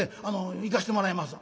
行かせてもらいますわ」。